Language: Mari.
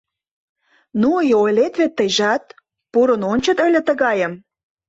Ну и ойлет вет тыйжат, пурын ончо ыле тыгайым!